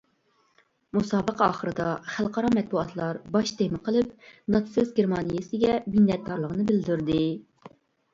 مۇسابىقە ئاخىرىدا خەلقئارا مەتبۇئاتلار باش تېما قىلىپ ناتسىست گېرمانىيەسىگە مىننەتدارلىقىنى بىلدۈردى.